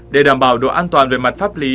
để đảm bảo độ an toàn về mặt pháp lý